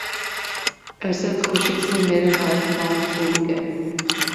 اسد! خوشی سے مرے ہاتھ پاؤں پُھول گئے